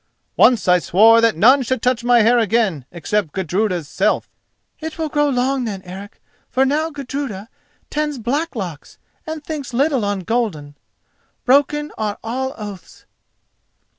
"Once I swore that none should touch my hair again except Gudruda's self." "It will grow long, then, Eric, for now Gudruda tends black locks and thinks little on golden. Broken are all oaths."